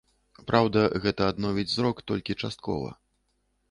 Праўда, гэта адновіць зрок толькі часткова.